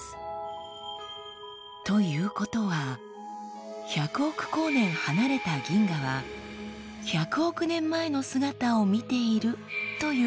ということは１００億光年離れた銀河は１００億年前の姿を見ているということ。